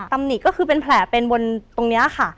ตำหนิก็คือเป็นแผลเป็นบนตรงนี้ค่ะ